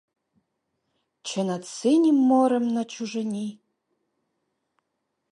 Чи над синім морем на чужині?